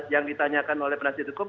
yang ditanyakan oleh penasihat hukum